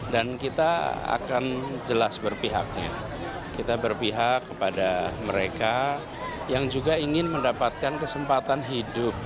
dan kita akan jelas berpihaknya kita berpihak kepada mereka yang juga ingin mendapatkan kesempatan hidup